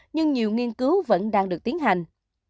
nhưng nhiều nghiên cứu vẫn đang được tiến hành